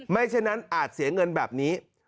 ไม่เช่นนั้นอาจเสียเงินแบบนี้